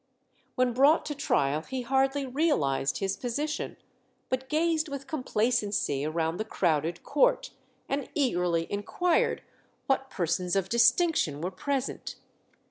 When brought to trial he hardly realized his position, but gazed with complacency around the crowded court, and eagerly inquired what persons of distinction were present.